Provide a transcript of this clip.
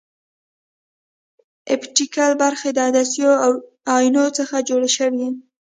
اپټیکل برخې د عدسیو او اینو څخه جوړې شوې.